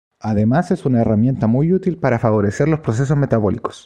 Además es una herramienta muy útil para favorecer los procesos metabólicos.